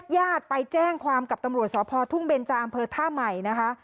ญาติไปแจ้งความกับตำรวจสพทุ่งเบนจาอำเภอท่าใหม่นะคะ